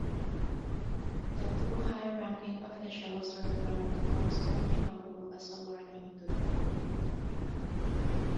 The two high-ranking officials were brought to Constantinople as a warning to the pope.